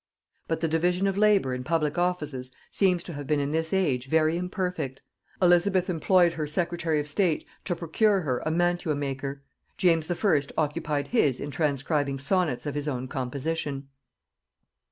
But the division of labor in public offices seems to have been in this age very imperfect: Elizabeth employed her secretary of state to procure her a mantua maker; James I. occupied his in transcribing sonnets of his own composition.